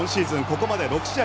ここまで６試合